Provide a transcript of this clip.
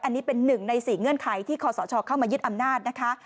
อันนี้เป็น๑ใน๔เงื่อนไขที่คอสชเข้ามายึดอำนาจนะคะ